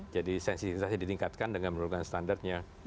jadi sensitivitasnya ditingkatkan dengan menurunkan standarnya